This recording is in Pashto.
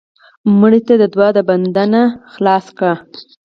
مړه ته د دوعا د بند نه خلاص کړه